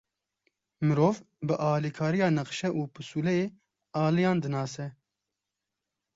Mirov, bi alîkariya nexşe û pisûleyê aliyan dinase.